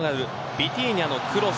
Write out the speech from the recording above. ヴィティーニャのクロス